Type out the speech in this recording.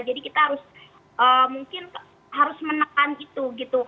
jadi kita harus mungkin harus menekan itu gitu